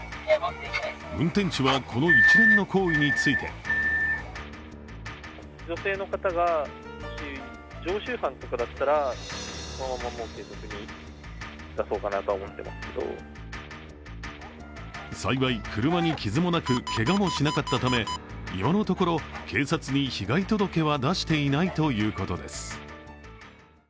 運転手はこの一連の行為について幸い、車に傷もなくけがもしなかったため今のところ警察に被害届は出していないということです。